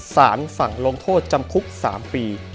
สารสั่งลงโทษจำคุก๓ปี